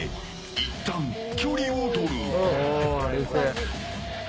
いったん距離を取る。